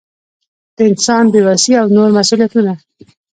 د انسان بې وسي او نور مسؤلیتونه.